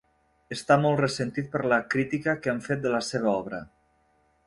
Està molt ressentit per la crítica que han fet de la seva obra.